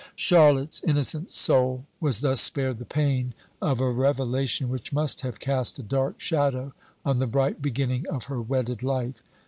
Charlotte's innocent soul was thus spared the pain of a revelation which must have cast a dark shadow on the bright beginning of her wedded life.